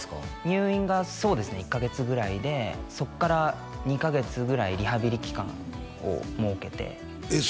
入院がそうですね１カ月ぐらいでそっから２カ月ぐらいリハビリ期間を設けてえっ